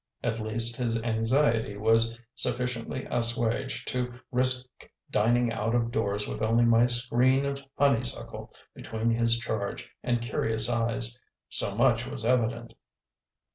At least, his anxiety was sufficiently assuaged to risk dining out of doors with only my screen of honeysuckle between his charge and curious eyes. So much was evident.